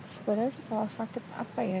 sebenarnya kalau sakit apa ya